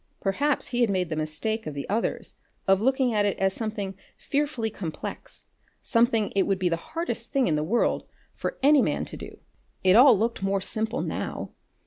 Perhaps he had made the mistake of the others of looking at it as something fearfully complex, something it would be the hardest thing in all the world for any man to do. It all looked more simple now.